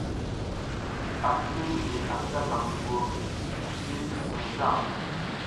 Ati mizliAnta gam dungur ti sumuŋ ta.